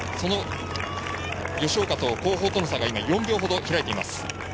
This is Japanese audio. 吉岡と後方との差が４秒程開いています。